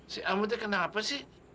si ambo teh kenapa sih